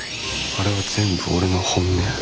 あれは全部俺の本音。